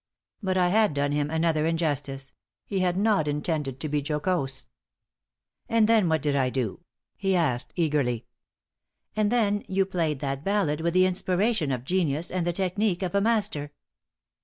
But I had done him another injustice; he had not intended to be jocose. "And then what did I do?" he asked, eagerly. "And then you played that ballade with the inspiration of genius and the technique of a master."